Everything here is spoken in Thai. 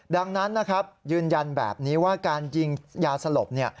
ดังนั้นนะครับยืนยันแบบนี้ว่าการยิงยาสลบเนี่ย